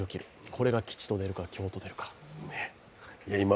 これが吉と出るか凶と出るか。